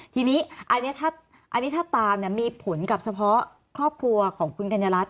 ทีนี้อันนี้ถ้าตามมีผลกับเฉพาะครอบครัวของคุณกัญญารัฐ